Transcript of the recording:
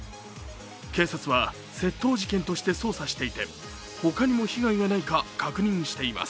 警察は窃盗事件として捜査していて、他にも被害がないか確認しています。